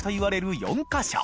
４か所磴